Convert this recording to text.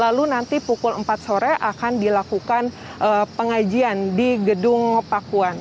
lalu nanti pada pukul satu siang akan datang ke gedung sate untuk melakukan pelantikan dan pengambilan sumber